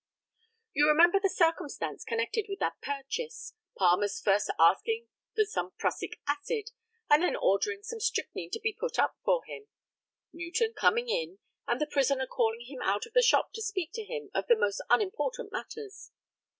You remember the circumstance connected with that purchase, Palmer's first asking for some prussic acid, and then ordering some strychnine to be put up for him, Newton coming in, and the prisoner calling him out of the shop to speak to him of the most unimportant matters.